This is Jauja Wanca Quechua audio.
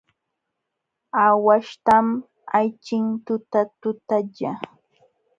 Aawaśhtam ayćhin tutatutalla.